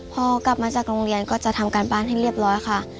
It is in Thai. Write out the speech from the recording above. พอกลับมาจากโรงเรียนก็จะทำการบ้านให้เรียบร้อยค่ะ